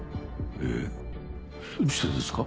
えっどうしてですか？